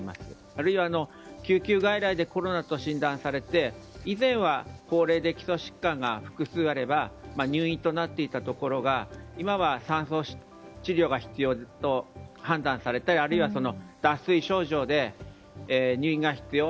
あるいは、救急外来でコロナと診断されて以前は、高齢で基礎疾患が複数あれば入院となっていたところが今は、酸素治療が必要と判断されたりあるいは脱水症状で入院が必要。